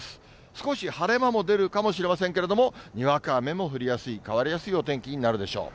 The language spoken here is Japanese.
少し晴れ間も出るかもしれませんけれども、にわか雨も降りやすい、変わりやすいお天気になるでしょう。